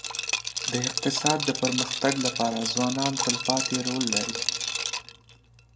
د اقتصاد د پرمختګ لپاره ځوانان تلپاتي رول لري.